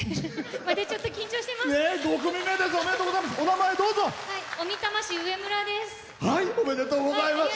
ちょっと緊張してます。